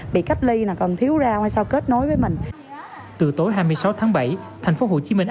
bị cách ly còn thiếu rau hay sao kết nối với mình từ tối hai mươi sáu tháng bảy thành phố hồ chí minh